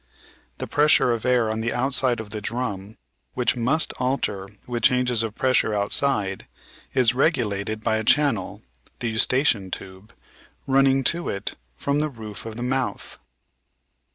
The pressure of air on the outside of the drum, which must 354 The Outline of Science alter with changes of pressure outside, is regulated by a channel (the Eustachian tube) running to it from the roof of the mouth.